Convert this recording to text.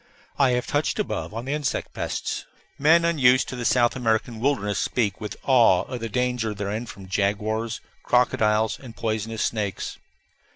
I have touched above on the insect pests. Men unused to the South American wilderness speak with awe of the danger therein from jaguars, crocodiles, and poisonous snakes.